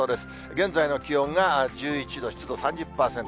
現在の気温が１１度、湿度３０％。